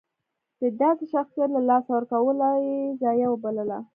د داسې شخصیت له لاسه ورکول یې ضایعه وبلله.